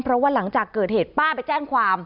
เพราะว่าหลังจากเกิดเหตุป้าไปแจ้งความ